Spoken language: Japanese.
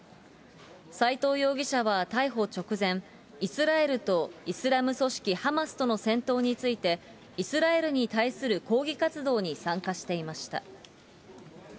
斎藤容疑者は逮捕直前、イスラエルとイスラム組織ハマスとの戦闘について、イスラエルに対する抗議活動に参加していました。